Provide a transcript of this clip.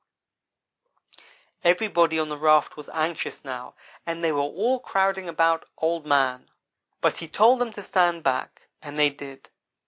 "Everybody on the raft was anxious now, and they were all crowding about Old man; but he told them to stand back, and they did.